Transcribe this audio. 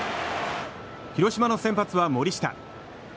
広島の先発は森下。